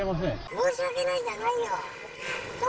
申し訳ないじゃないよ。